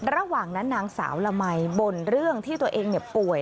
ระหว่างนั้นนางสาวละมัยบ่นเรื่องที่ตัวเองป่วย